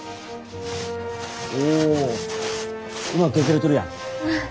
おうまく削れとるやん。